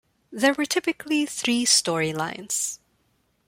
There were typically three storylines.